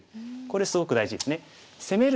これすごく大事ですね。